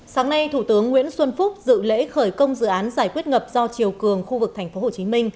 sáng nay thủ tướng nguyễn xuân phúc dự lễ khởi công dự án giải quyết ngập do chiều cường khu vực tp hcm